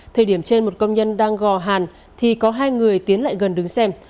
thời điểm trên một công nhân đang gò hàn thì có hai người tiến lại gần đứng xem